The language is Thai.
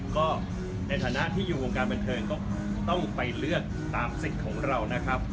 ก็ในฐานะที่อยู่วงการบันเทิงก็ต้องไปเลือกตามสิทธิ์ของเรานะครับ